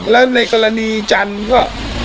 แล้วในกรณีจันทร์ก็